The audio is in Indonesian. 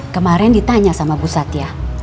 kemarin ditanya sama bu satya